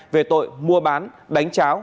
về tội mua bán đánh cháo